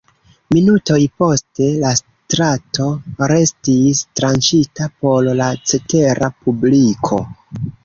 Minutoj poste la strato restis tranĉita por la cetera publiko.